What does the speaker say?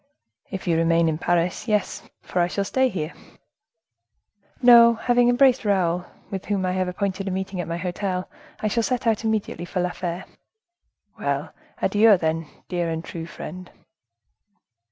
"If you remain in Paris, yes; for I shall stay here." "No: after having embraced Raoul, with whom I have appointed a meeting at my hotel, I shall set out immediately for La Fere." "Well, adieu, then, dear and true friend."